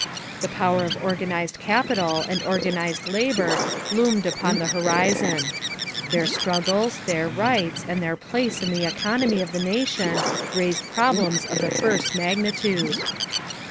The power of organized capital and organized labor loomed upon the horizon. Their struggles, their rights, and their place in the economy of the nation raised problems of the first magnitude.